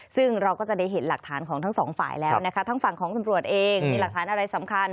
ซึ่งเราก็จะได้เห็นหลักฐานของทั้งสองฝ่ายแล้วนะคะทั้งฝั่งของตำรวจเองมีหลักฐานอะไรสำคัญ